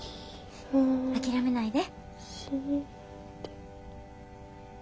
諦めないで。